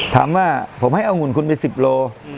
ถามว่าผมให้เอาหุ่นคุณไป๑๐โล